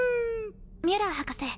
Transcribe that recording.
ミュラー博士。